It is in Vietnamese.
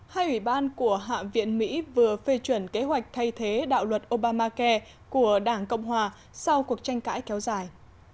hai ủy ban của hạ viện mỹ vừa phê chuẩn kế hoạch thay thế đạo luật obamacai của đảng cộng hòa sau cuộc tranh cãi kéo dài